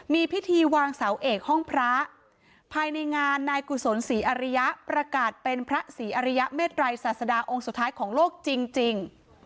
มีพิธีวางเสาเอกห้องพระภายในงานนายกุศลศรีอริยะประกาศเป็นพระศรีอริยเมตรัยศาสดาองค์สุดท้ายของโลกจริง